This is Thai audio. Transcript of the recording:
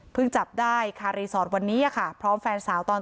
จับได้คารีสอร์ทวันนี้ค่ะพร้อมแฟนสาวตอน